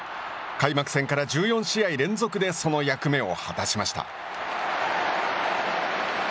開幕戦から１４試合連続でその役目を果たしました。